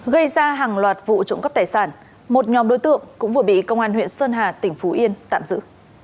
gây ra hàng loạt vụ trộm cắp tài sản một nhóm đối tượng cũng vừa bị công an huyện sơn hà tỉnh phú yên tạm giữ